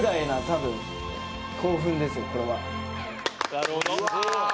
なるほど。